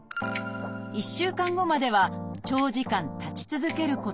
１週間後までは長時間立ち続けること。